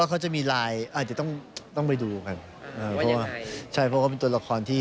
เคยเป็นแฟนกันด้วยใช่มั้ย